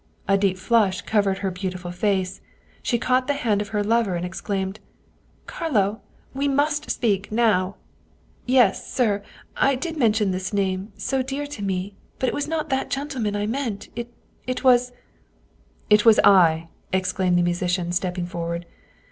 A deep flush colored her beautiful face, she caught the hand of her lover and' exclaimed :" Carlo, we must speak now ! Yes, sir, I did mention this name, so dear to me, but it was not that gen tleman I meant it was "" It was I !" exclaimed the musician, stepping forward.